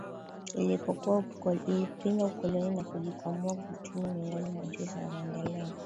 Ilipinga Ukoloni na kujikwamua kiuchumi miongoni mwa nchi zinazoendelea